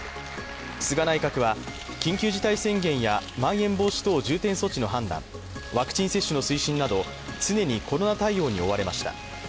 菅内閣は緊急事態宣言やまん延防止等重点措置の判断、ワクチン接種の推進など、常にコロナ対応に追われました。